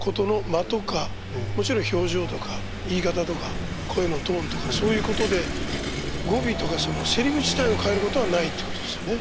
間とかもちろん表情とか言い方とか声のトーンとかそういうことで語尾とかそのせりふ自体を変えることはないってことですよね。